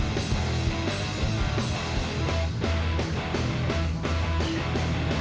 kita jalan ke dondong